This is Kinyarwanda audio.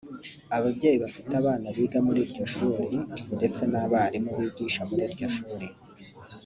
ababyeyi bafite abana biga muri iryo shuri ndetse n’abarimu bigisha muri iryo shuri